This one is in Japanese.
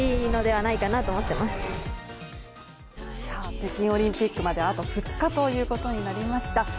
さあ北京オリンピックまであと２日ということになりました